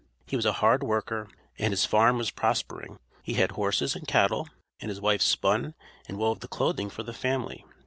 He was a hard worker, and his farm was prospering. He had horses and cattle, and his wife spun and wove the clothing for the family.